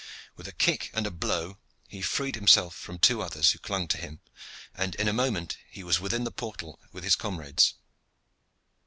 With a kick and a blow he freed himself from two others who clung to him, and in a moment he was within the portal with his comrades.